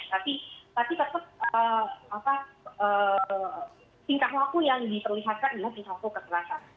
tapi tetap apa singkat laku yang diterlihatkan ya singkat laku kekerasan